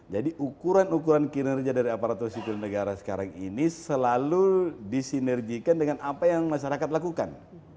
jadi ukuran ukuran kinerja dari aparatur sipil negara sekarang ini selalu disinergikan dengan apa yang masyarakat lakukan